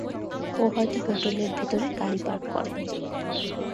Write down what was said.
ও হয়তো হোটেলের ভিতরে গাড়ি পার্ক করেনি।